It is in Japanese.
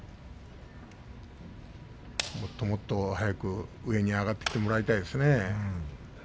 もっともっと早く上に上がってもらいたいですね。